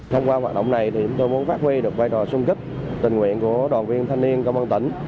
thông qua hoạt động này thì chúng tôi muốn phát huy được vai trò sung kích tình nguyện của đoàn viên thanh niên công an tỉnh